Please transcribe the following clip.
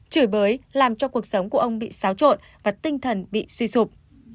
chửi bới làm cho cuộc sống của ông bị xáo trộn và tinh thần bị suy sụp